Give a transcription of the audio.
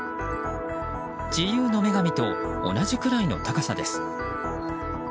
自由の女神と同じくらいの高さです。